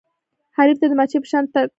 حریف ته د مچۍ په شان ټک ورکوه.